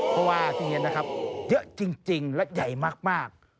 เพราะว่าที่นี่นะครับเยอะจริงและใหญ่มาก